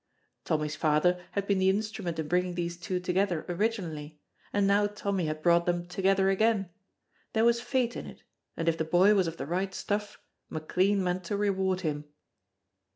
Tommy's father had been the instrument in bringing these two together originally, and now Tommy had brought them together again; there was fate in it, and if the boy was of the right stuff McLean meant to reward him.